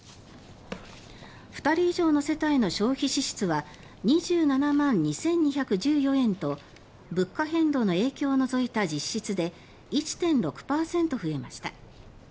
２人以上の世帯の消費支出は２７万２２１４円と物価変動の影響を除いた実質で１．６％増えました。